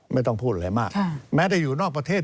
ไม่ต้องพูดอะไรมากแม้จะอยู่นอกประเทศ